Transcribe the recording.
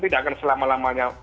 tidak akan selama lamanya